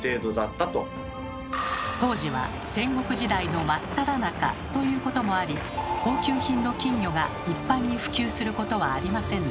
当時は戦国時代の真っただ中ということもあり高級品の金魚が一般に普及することはありませんでした。